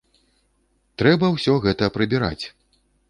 Трэба ўсё гэта прыбіраць.